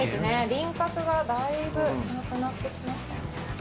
輪郭がだいぶなくなってきましたね